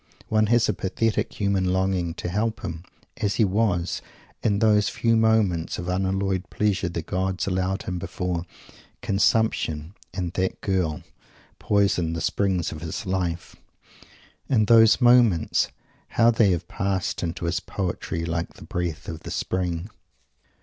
One has a pathetic human longing to think of him as he was, in those few moments of unalloyed pleasure the gods allowed him before "consumption," and "that girl," poisoned the springs of his life! And those moments, how they have passed into his poetry like the breath of the Spring!